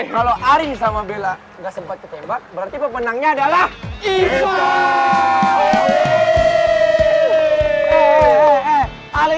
kalau ari sama bella nggak sempat ketembak berarti pemenangnya adalah